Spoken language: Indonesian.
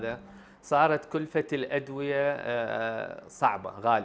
dan juga untuk orang orang yang sederhana